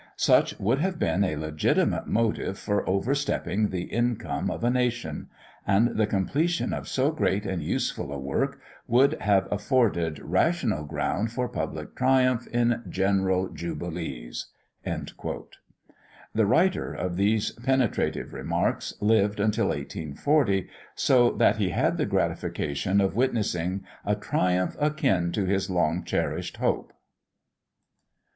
Such would have been a legitimate motive for overstepping the income of a nation; and the completion of so great and useful a work would have afforded rational ground for public triumph in general jubilees!" The writer of these penetrative remarks lived until 1840, so that he had the gratification of witnessing a triumph akin to his long cherished hope.